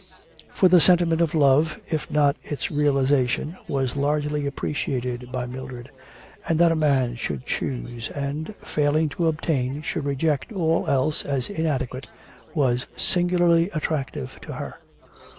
For the sentiment of love, if not its realisation was largely appreciated by Mildred, and that a man should choose and, failing to obtain, should reject all else as inadequate, was singularly attractive to her.